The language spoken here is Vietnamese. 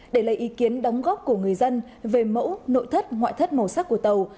để lấy ý kiến đóng góp của người dân về mẫu nội thất ngoại thất màu sắc của tàu